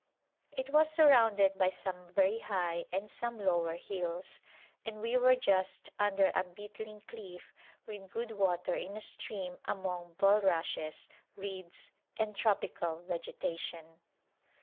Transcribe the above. It was surrounded by some very high and some lower hills, and we were just under a beetling cliff with good water in a stream among bulrushes, reeds, and tropical vegetation.